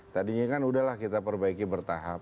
tadinya kan udah lah kita perbaiki bertahap